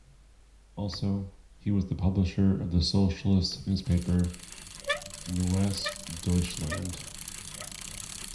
Also, he was the Publisher of the socialist newspaper "Neues Deutschland".